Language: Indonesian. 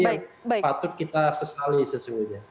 ini yang patut kita sesali sesungguhnya